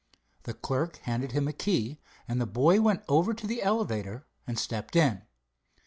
The clerk handed him a key, and the boy went over to the elevator and stepped in.